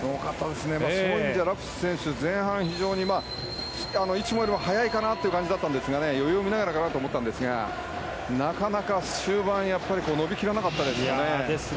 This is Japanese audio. そういう意味ではラプシス選手前半、非常にいつもより速いかなという感じだったんですが余裕を見ながらかなと思ったんですがなかなか終盤伸び切らなかったですね。